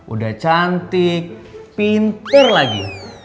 udah cantik pinter lagi